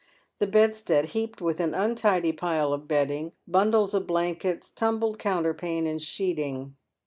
The bedstead heaped with an untidy pile of bedding, bundles of blankets, tumbled counter pane and sheeting.